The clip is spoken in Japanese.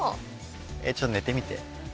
ちょっと寝てみて。